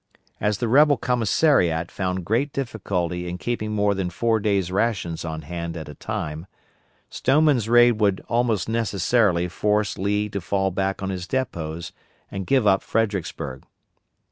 As the rebel commissariat found great difficulty in keeping more than four days' rations on hand at a time, Stoneman's raid would almost necessarily force Lee to fall back on his depots and give up Fredericksburg.